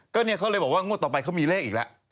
ก็เนี่ยเขาเลยบอกว่างวดต่อไปเขามีเลขอีกแล้ว